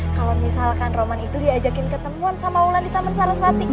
kalau misalkan roman itu diajakin ketemuan sama wulan di taman saraswating